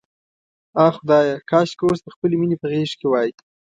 آه خدایه، کاشکې اوس د خپلې مینې په غېږ کې وای.